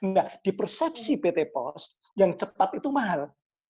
nah di persepsi pt pos yang cepat itu mahal